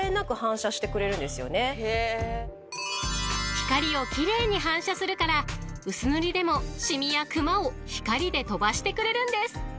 ［光を奇麗に反射するから薄塗りでもしみやくまを光で飛ばしてくれるんです］